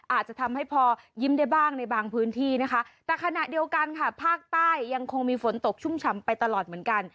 อาจจะทำให้พอยิ้มได้บ้างในบางพื้นที่นะคะแต่ขณะเดียวกันค่ะภาคใต้ยังคงมีฝนตกชุ่มฉ่ำไปตลอดเหมือนกัน